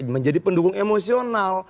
menjadi pendukung emosional